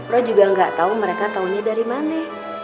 lo juga nggak tau mereka taunya dari mana